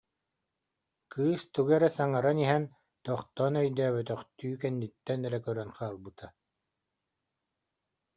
Кыыс тугу эрэ саҥаран иһэн, тохтоон өйдөөбөтөхтүү, кэнниттэн эрэ көрөн хаалбыта